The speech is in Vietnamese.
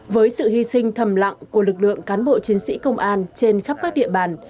với sự hy sinh thầm lặng của lực lượng cán bộ chiến sĩ công an trên khắp các địa bàn